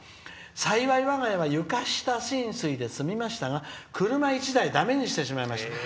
幸い、我が家は床下浸水で済みましたが車１台だめにしてしまいました」。